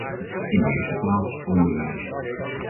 In de eerste plaats onderwijs.